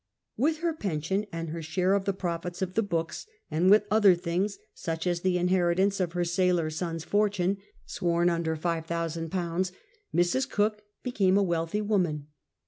With her pension and her share of the pi'ofits of the books and with other things — such as the inheritance of her sailor son's fortune, sworn under £5000 — Mrs. Cook became a wealthy woman.